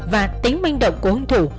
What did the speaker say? và tính minh động của hương thủ